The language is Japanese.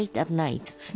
そうですね。